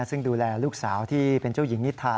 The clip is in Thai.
ซึ่งดูแลลูกสาวที่เป็นเจ้าหญิงนิทา